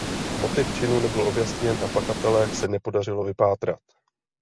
Motiv činu nebyl objasněn a pachatele se nepodařilo vypátrat.